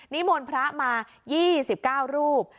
นิมนต์พระมายี่สิบเก้ารูป